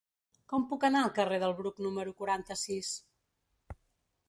Com puc anar al carrer del Bruc número quaranta-sis?